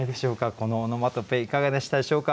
このオノマトペいかがでしたでしょうか。